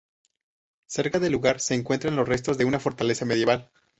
Cerca del lugar se encuentran los restos de una fortaleza medieval.